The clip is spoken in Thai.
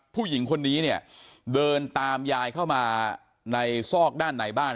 ผู้หญิงคนนี้เนี่ยเดินตามยายเข้ามาในซอกด้านในบ้าน